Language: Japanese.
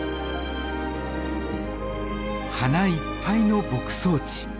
花いっぱいの牧草地。